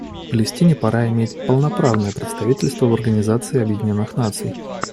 Палестине пора иметь полноправное представительство в Организации Объединенных Наций.